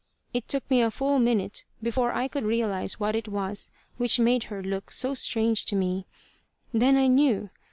It took me a full minute, before I could realize what it was which made her look so strange to me. Then I knew.